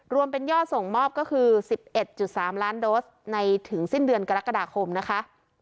รวมเป็นยอดส่งมอบก็คือ๑๑๓ล้านโดสในถึงสิ้นเดือนกรกฎาคมนะคะ